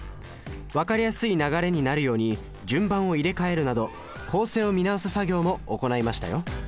分かりやすい流れになるように順番を入れ替えるなど構成を見直す作業も行いましたよ